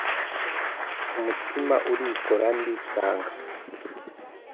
Umutima urikora ndikanga,